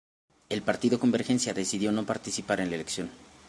El partido Convergencia decidió no participar en la elección.